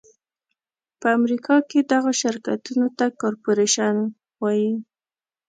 په امریکا کې دغو شرکتونو ته کارپورېشن وایي.